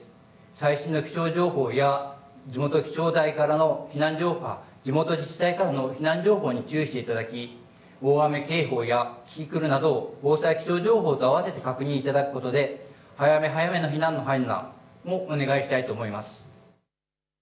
最新の気象情報や地元気象台からの地元自治体からの避難情報に注意していただき大雨警報やキキクルなどを防災基礎情報と合わせて確認していただくことで早め早めの避難の判断もお願いしたいと思います。